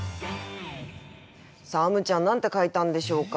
あむちゃん何て書いたんでしょうか。